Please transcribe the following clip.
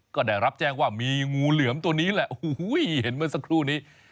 ก็ได้รับแจ้งว่ามีงูเหลือมตัวนี้แหละโอ้โหเห็นเมื่อสักครู่นี้